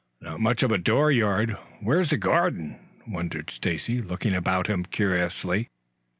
"Not much of a door yard. Where's the garden?" wondered Stacy, looking about him curiously.